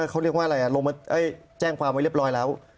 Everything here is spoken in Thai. เขาเรียกว่าอะไรลงมาแจ้งความไว้เรียบร้อยแล้ว